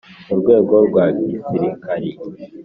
mu rwego rwa gisirikari,